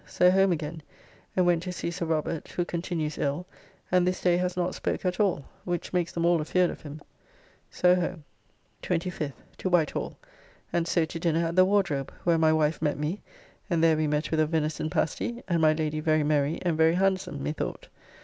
So home again, and went to see Sir Robert [Slingsby], who continues ill, and this day has not spoke at all, which makes them all afeard of him. So home. 25th. To Whitehall, and so to dinner at the Wardrobe, where my wife met me, and there we met with a venison pasty, and my Lady very merry and very handsome, methought.